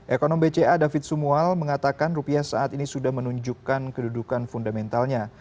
ekonom bca david sumual mengatakan rupiah saat ini sudah menunjukkan kedudukan fundamentalnya